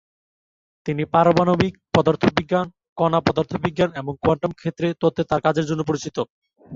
তিনি পারমাণবিক পদার্থবিজ্ঞান, কণা পদার্থবিজ্ঞান এবং কোয়ান্টাম ক্ষেত্র তত্ত্বে তার কাজের জন্য পরিচিত।